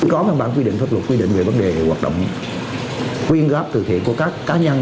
có văn bản quy định pháp luật quy định về vấn đề hoạt động quyên góp từ thiện của các cá nhân